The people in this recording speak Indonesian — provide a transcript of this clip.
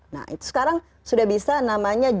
nah itu sekarang sudah bisa namanya